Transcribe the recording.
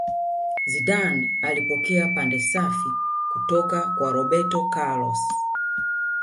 zidane alipokea pande safi kutoka kwa roberto carlos